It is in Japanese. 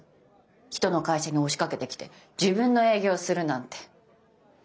人の会社に押しかけてきて自分の営業するなんて信じられない。